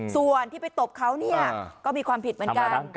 ส่วนที่ไปตบเขาก็มีความผิดเหมือนกัน